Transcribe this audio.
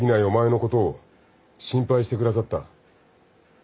お前のことを心配してくださった。